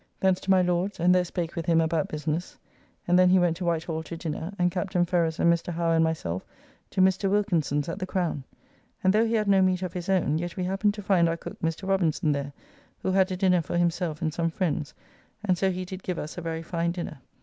Thence to my Lord's and there spake with him about business, and then he went to Whitehall to dinner, and Capt. Ferrers and Mr. Howe and myself to Mr. Wilkinson's at the Crown, and though he had no meat of his own, yet we happened to find our cook Mr. Robinson there, who had a dinner for himself and some friends, and so he did give us a very fine dinner.